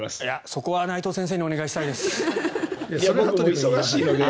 そこは内藤先生にお願いしたいです。